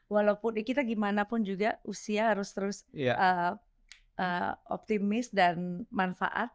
walaupun kita gimana pun juga usia harus terus optimis dan manfaat